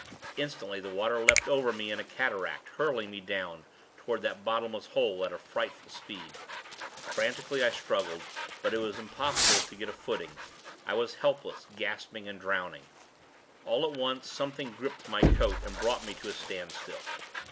Instantly, the water leapt over me in a cataract, hurling me down, toward that bottomless hole, at a frightful speed. Frantically I struggled; but it was impossible to get a footing. I was helpless, gasping and drowning. All at once, something gripped my coat, and brought me to a standstill.